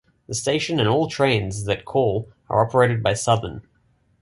The station and all trains that call are operated by Southern.